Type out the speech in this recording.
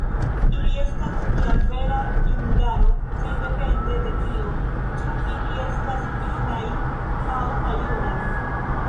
“Ili estas nia vera junularo sendepende de tio, ĉu ili estas junaj aŭ maljunaj.